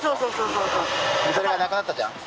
それがなくなったじゃん。